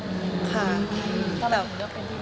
แล้วหนูเลือกเป็นที่บ้านไหม